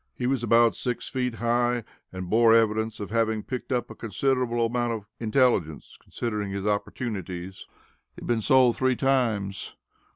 He was about six feet high, and bore evidence of having picked up a considerable amount of intelligence considering his opportunities. He had been sold three times.